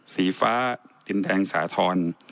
สีฟ้าดินแดงสาธรณ์